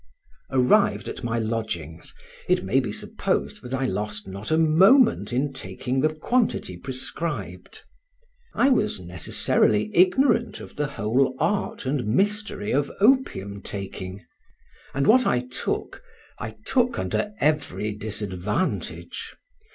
Arrived at my lodgings, it may be supposed that I lost not a moment in taking the quantity prescribed. I was necessarily ignorant of the whole art and mystery of opium taking, and what I took I took under every disadvantage.